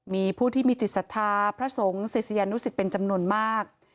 มีผู้ที่มีจิตศรัทธาพระสงฆ์ศิษยานุสิตเป็นจำนวนมาก